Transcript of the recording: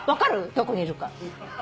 どこにいるか。